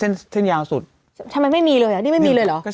เส้นเส้นยาวสุดทำไมไม่มีเลยอ่ะนี่ไม่มีเลยเหรอ